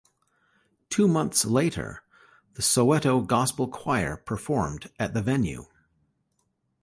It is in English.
Two months later, the Soweto Gospel Choir performed at the venue.